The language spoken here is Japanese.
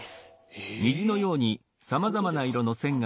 へえ！